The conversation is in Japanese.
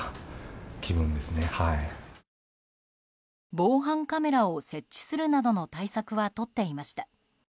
防犯カメラを設置するなどの対策はとっていました。